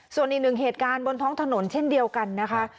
ส่วนอีกหนึ่งเหตุการณ์บนท้องถนนเช่นเดียวกันนะคะ